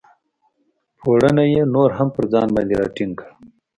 پوړنی یې نور هم پر ځان باندې را ټینګ کړ.